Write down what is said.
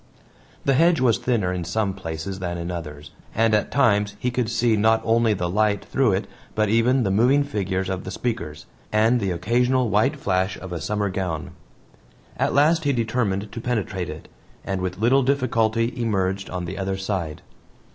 The hedge was thinner in some places than in others, and at times he could see not only the light through it but even the moving figures of the speakers, and the occasional white flash of a summer gown. At last he determined to penetrate it, and with little difficulty emerged on the other side.